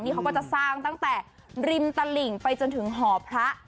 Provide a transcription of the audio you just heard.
เขาก็จะสร้างตั้งแต่ริมตลิ่งไปจนถึงหอพระ